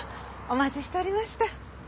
お待ちしておりました。